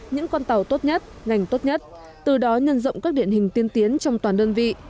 những con tàu tốt nhất ngành tốt nhất từ đó nhân rộng các điển hình tiên tiến trong toàn đơn vị